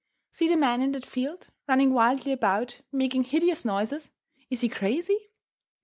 See the man in that field, running wildly about, making hideous noises. Is he crazy?